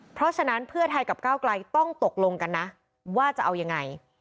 เพราะฉะนั้นเพื่อไทยกับก้าวไกลต้องตกลงกันนะว่าจะเอายังไง